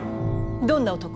どんな男。